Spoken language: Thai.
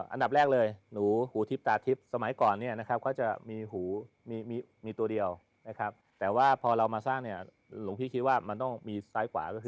อันดับแรกเลยหนูหูทิพย์ตาทิพย์สมัยก่อนเนี่ยนะครับก็จะมีหูมีตัวเดียวนะครับแต่ว่าพอเรามาสร้างเนี่ยหลวงพี่คิดว่ามันต้องมีซ้ายกว่าก็คือ